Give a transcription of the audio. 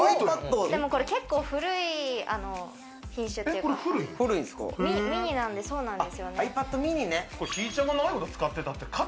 でも、これ結構古い品種っていうか。